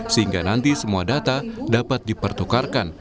sehingga nanti semua data dapat dipertukarkan